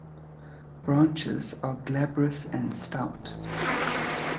Branches are glabrous and stout.